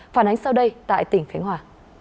phản ánh sau đây tại tỉnh thánh hòa